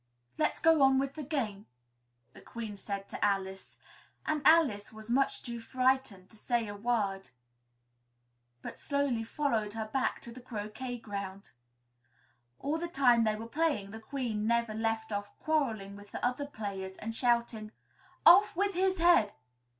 "Let's go on with the game," the Queen said to Alice; and Alice was too much frightened to say a word, but slowly followed her back to the croquet ground. All the time they were playing, the Queen never left off quarreling with the other players and shouting, "Off with his head!"